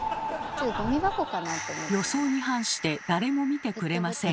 予想に反して誰も見てくれません。